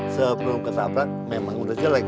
sebelum ketabrak memang udah jelek